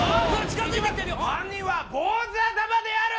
犯人は坊主頭である。